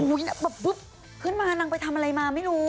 แบบปุ๊บขึ้นมานางไปทำอะไรมาไม่รู้